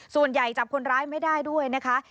ส่วนใหญ่จับคนร้ายไม่ได้ด้วยนะคะ